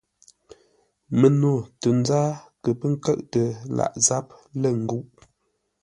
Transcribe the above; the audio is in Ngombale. Məno tə nzáa kə pə́ nkə́ʼtə lâʼ záp lə́ ńgúʼ.